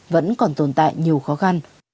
vẫn còn tồn tại nhiều khó khăn